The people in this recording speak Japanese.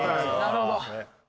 なるほど。